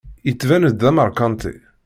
Yettban-d d ameṛkanti.